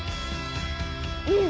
うん！